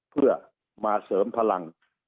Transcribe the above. เพื่อมาเสริมพลัง